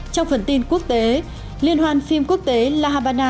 trong phần tin quốc tế liên hoan phim quốc tế la habana